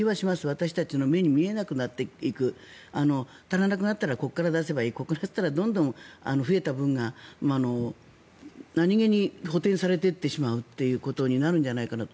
私たちの目に見えなくなっていく足らなくなったらここから出せばいいここから出したら増えた分が何げに補てんされて行ってしまうということになるんじゃないかなと。